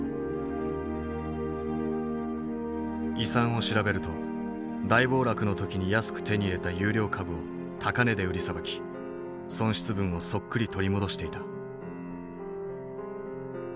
遺産を調べると大暴落の時に安く手に入れた優良株を高値で売りさばき損失分をそっくり取り戻していた。